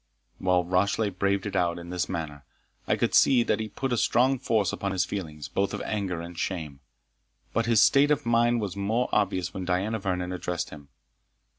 While Rashleigh braved it out in this manner, I could see that he put a strong force upon his feelings, both of anger and shame. But his state of mind was more obvious when Diana Vernon addressed him.